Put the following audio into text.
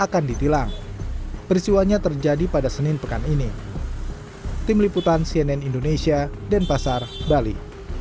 akan ditilang peristiwanya terjadi pada senin pekan ini tim liputan cnn indonesia dan pasar bali